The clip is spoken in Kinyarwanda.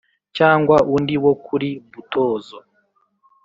Cyangwa undi wo kuri Butozo